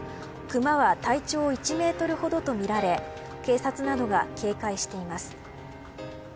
クマは体長１メートルほどとみられ警察などが警戒しています。